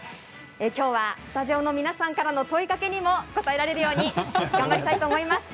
今日はスタジオの皆さんからの問いかけにも答えられるように頑張りたいと思います。